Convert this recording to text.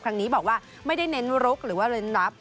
ครั้งนี้บอกว่าไม่ได้เน้นลุกหรือว่าเน้นรับ